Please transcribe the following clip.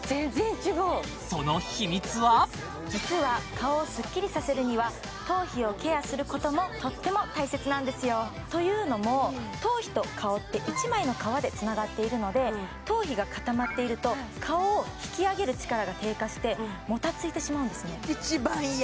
その秘密は実は顔をスッキリさせるには頭皮をケアすることもとっても大切なんですよというのも頭皮と顔って１枚の皮でつながっているので頭皮が固まっていると顔を引き上げる力が低下してもたついてしまうんですね一番嫌！